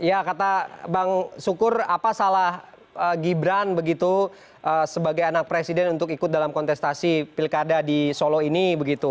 ya kata bang sukur apa salah gibran begitu sebagai anak presiden untuk ikut dalam kontestasi pilkada di solo ini begitu